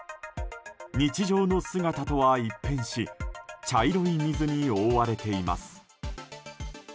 日常の姿とは一変し茶色い水に覆われています。